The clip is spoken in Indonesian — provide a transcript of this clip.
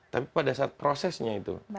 tapi pada saat prosesnya itu